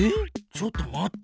ちょっと待って。